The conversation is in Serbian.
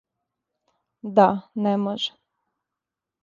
Да, не може.